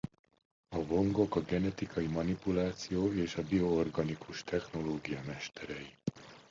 A Vongok a genetikai manipuláció és a bio-organikus technológia mesterei.